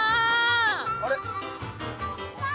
あれ？